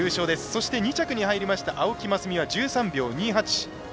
そして、２着に入りました青木益未は１３秒２８。